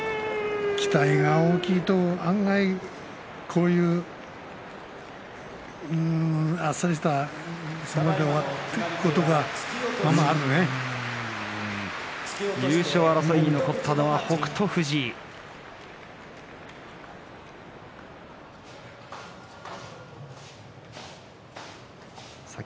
期待が大きいと案外こういう、あっさりした相撲で終わることが優勝争いに残ったのは北勝富士です。